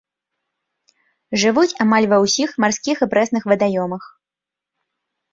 Жывуць амаль ва ўсіх марскіх і прэсных вадаёмах.